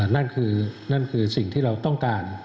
นั่นคือสิ่งที่เราต้องการ